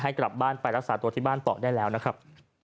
กลับบ้านไปรักษาตัวที่บ้านต่อได้แล้วนะครับ